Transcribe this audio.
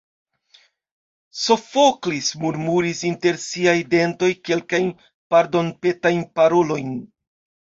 Sofoklis murmuris inter siaj dentoj kelkajn pardonpetajn parolojn.